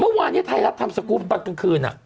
เมื่อวานี้ไทยรับทำสกุลปรักษ์ทุกคืนน่ะ